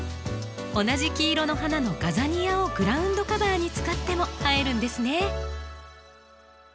同じ黄色の花のガザニアをグラウンドカバーに使っても映えるんですね。